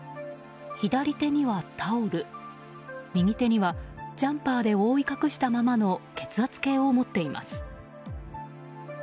左手にはタオル、右手にはジャンパーで覆い隠したままの血圧計を持っています。